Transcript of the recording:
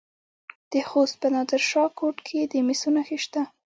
د خوست په نادر شاه کوټ کې د مسو نښې شته.